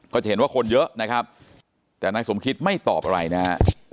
จะเห็นว่าคนเยอะนะครับแต่นายสมคิตไม่ตอบอะไรนะฮะ